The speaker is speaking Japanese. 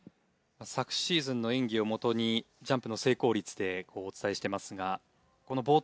昨シーズンの演技をもとにジャンプの成功率でお伝えしてますがこの冒頭